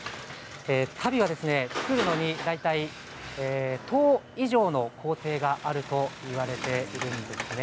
足袋を作るのに大体１０以上の工程があるといわれています。